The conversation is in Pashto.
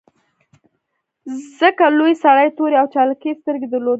ځکه لوی سړي تورې او چالاکې سترګې درلودې